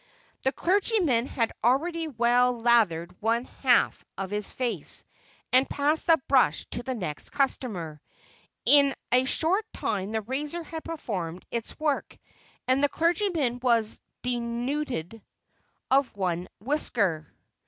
The clergyman had already well lathered one half of his face and passed the brush to the next customer. In a short time the razor had performed its work, and the clergyman was denuded of one whisker.